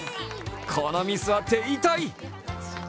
このミスは手痛い！